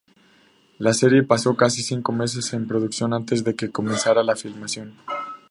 La serie pasó casi cinco meses en preproducción antes de que comenzara la filmación.